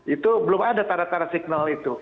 itu belum ada tanda tanda signal itu